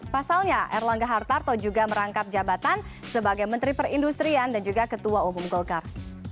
pasalnya erlangga hartarto juga merangkap jabatan sebagai menteri perindustrian dan juga ketua umum golkar